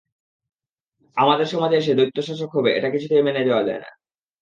আমাদের সমাজে এসে দৈত্য শাসক হবে, এটা কিছুতেই মেনে নেওয়া যায় না।